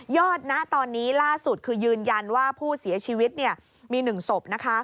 ยอดนะตอนนี้ล่าสุดคือยืนยันว่าผู้เสียชีวิตมี๑สบนะคะ